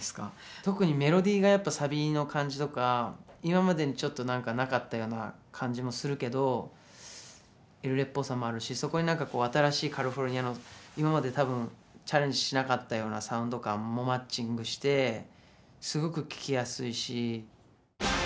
特にメロディーがやっぱサビの感じとか今までにちょっとなんかなかったような感じもするけどエルレっぽさもあるしそこになんかこう新しいカリフォルニアの今まで多分チャレンジしなかったようなサウンド感もマッチングしてすごく聴きやすいし。